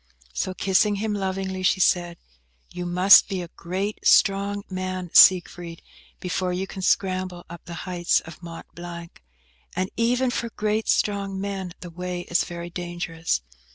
So, kissing him lovingly, she said, "You must be a great strong man, Siegfried, before you can scramble up the heights of Mont Blanc; and even for great strong men the way is very dangerous.